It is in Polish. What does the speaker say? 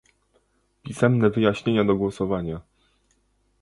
Pisemne wyjaśnienia do głosowania